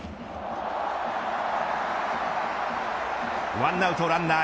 １アウトランナー